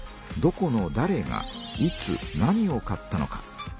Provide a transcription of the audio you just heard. どこのだれがいつ何を買ったのか。